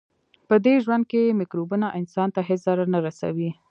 پدې ژوند کې مکروبونه انسان ته هیڅ ضرر نه رسوي.